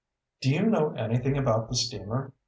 "Do you know anything about the steamer?"